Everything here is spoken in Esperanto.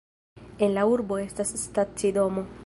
En la urbo estas stacidomo.